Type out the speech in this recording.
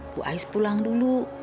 bu ais pulang dulu